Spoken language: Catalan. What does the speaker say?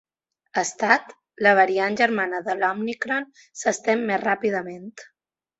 Stat: La variant germana de l’òmicron s’estén més ràpidament.